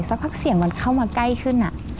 สักพักเสียงมันเข้ามาใกล้ขึ้น